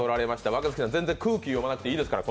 若槻さん、全然空気読まなくていいです。